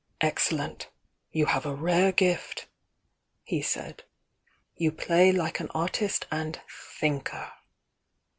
"Excellent! You have a rare gift!" he said. "You play like an artist and thinker."